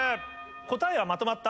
答えはまとまった？